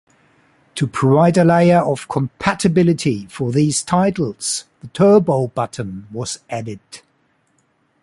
To provide a layer of compatibility for these titles, the "turbo" button was added.